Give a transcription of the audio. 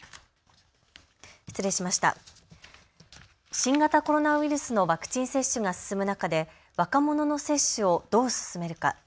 新型コロナウイルスのワクチン接種が進む中で若者の接種をどう進めるか。